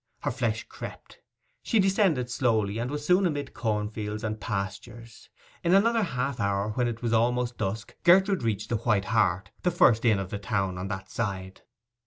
Her flesh crept. She descended slowly, and was soon amid corn fields and pastures. In another half hour, when it was almost dusk, Gertrude reached the White Hart, the first inn of the town on that side.